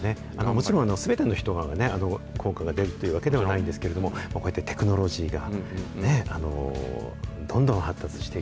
もちろん、すべての人が効果が出るというわけではないんですけれども、こうやってテクノロジーがどんどん発達して。